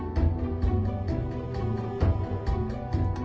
ตอนที่๑๙๔๕ที่อยู่ของสวที